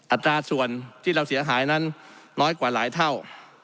อัตราส่วนที่เราเสียหายนั้นน้อยกว่าหลายเท่า